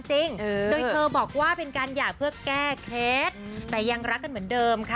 จริงโดยเธอบอกว่าเป็นการหย่าเพื่อแก้เคล็ดแต่ยังรักกันเหมือนเดิมค่ะ